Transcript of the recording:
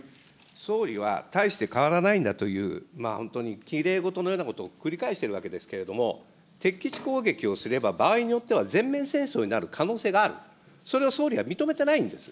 総理は大して変わらないんだという、本当にきれいごとのようなことを繰り返しているわけですけれども、敵基地攻撃をすれば場合によっては全面戦争になる可能性がある、それを総理は認めてないんです。